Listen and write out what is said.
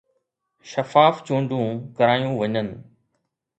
شفاف چونڊون ڪرايون وڃن